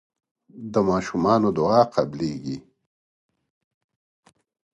د ماشوم دعا قبليږي.